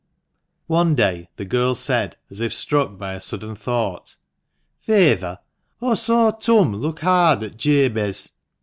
One day the girl said, as if struck by a sudden thought — "Feyther, aw saw Turn look hard at Jabez.